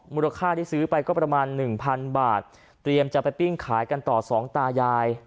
มูลค่าที่ซื้อไปก็ประมาณหนึ่งพันบาทเตรียมจะไปปิ้งขายกันต่อสองตายาย